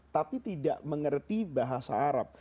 tapi tidak mengerti bahasa arab